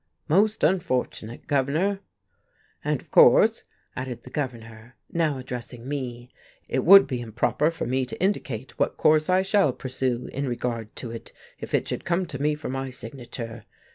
"Most unfortunate, Governor." "And of course," added the Governor, now addressing me, "it would be improper for me to indicate what course I shall pursue in regard to it if it should come to me for my signature.